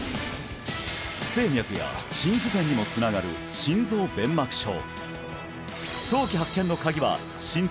不整脈や心不全にもつながる心臓弁膜症